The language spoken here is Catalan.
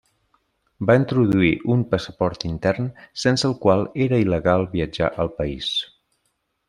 Va introduir un passaport intern sense el qual era il·legal viatjar al país.